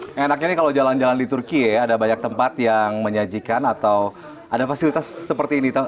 yang enaknya nih kalau jalan jalan di turki ya ada banyak tempat yang menyajikan atau ada fasilitas seperti ini